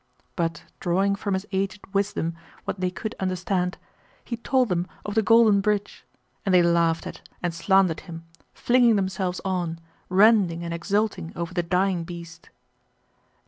But drawing from his aged wisdom what they could understand, he told them of the golden bridge, and they laughed at and slandered him, flinging themselves on, rending and exulting over the dying beast.